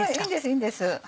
いいんです。